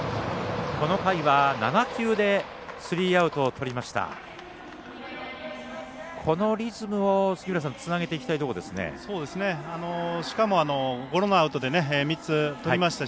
この回は、７球でスリーアウトをとりました。